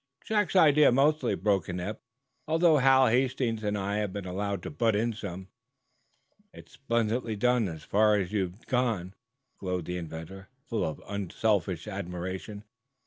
"Jack's idea, mostly," broke in Eph, "although Hal Hastings and I have been allowed to butt in some." "It's splendidly done, as far as you've gone," glowed the inventor, full of unselfish admiration.